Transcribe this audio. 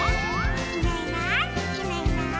「いないいないいないいない」